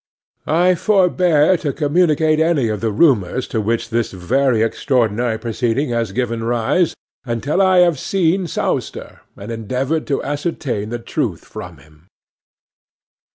I forbear to communicate any of the rumours to which this very extraordinary proceeding has given rise until I have seen Sowster, and endeavoured to ascertain the truth from him.